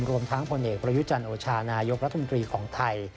รวมทางพลเอกบรยุจันโอชานายกรัฐมกรีของไทย